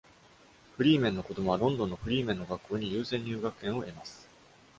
フリーメンの子供はロンドンのフリーメンの学校に優先入学権を得ます。